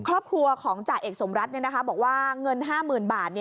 ครอบครัวของจ่าเอกสมรัฐบอกว่าเงิน๕๐๐๐บาท